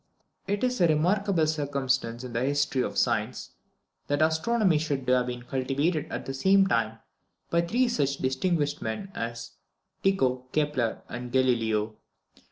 _ It is a remarkable circumstance in the history of science, that astronomy should have been cultivated at the same time by three such distinguished men as Tycho, Kepler, and Galileo.